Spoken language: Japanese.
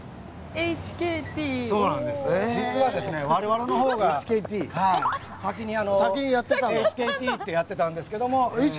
実は我々の方が先にＨＫＴってやってたんですけども。